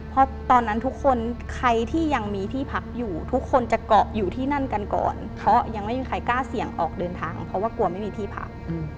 เพราะตอนนั้นทุกคนใครที่ยังมีที่พักอยู่ทุกคนจะเกาะอยู่ที่นั่นกันก่อนเพราะยังไม่มีใครกล้าเสี่ยงออกเดินทางเพราะว่ากลัวไม่มีที่พัก